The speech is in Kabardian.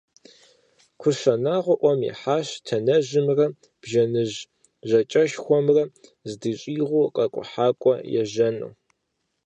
КӀущэ Нагъуэ Ӏуэм ихьащ Танэжьымрэ Бжэныжь ЖьакӀэшхуэмрэ здыщӀигъуу къэкӀухьакӀуэ ежьэну.